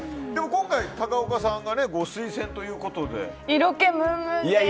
今回、高岡さんがご推薦ということで。